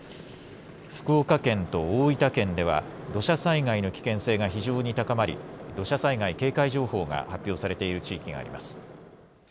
福岡県と大分県では土砂災害の危険性が非常に高まり土砂災害警戒情報が発表されている地域があります。